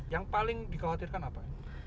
yang paling dikhawatirkan apa